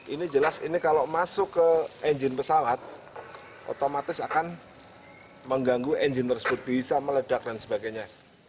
ini jelas ini kalau masuk ke engine pesawat otomatis akan mengganggu engine tersebut bisa meledak dan sebagainya